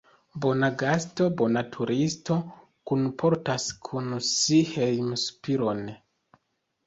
Bona gasto, bona turisto, kunportas kun si hejmsopiron.